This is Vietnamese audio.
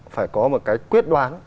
phải có một cái quyết đoán